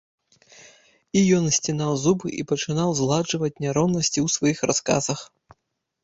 І ён сцінаў зубы і пачынаў згладжваць няроўнасці ў сваіх расказах.